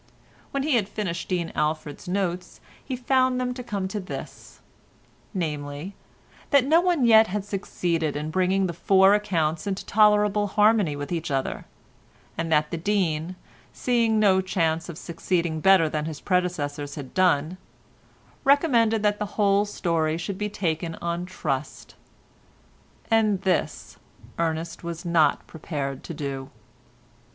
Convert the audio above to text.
When he had finished Dean Alford's notes he found them come to this, namely, that no one yet had succeeded in bringing the four accounts into tolerable harmony with each other, and that the Dean, seeing no chance of succeeding better than his predecessors had done, recommended that the whole story should be taken on trust—and this Ernest was not prepared to do.